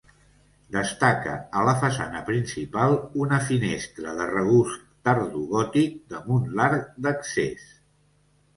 Destaca a la façana principal una finestra de regust tardogòtic damunt l'arc d'accés.